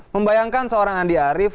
membayangkan seorang andi arief